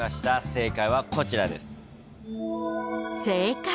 正解はこちらです。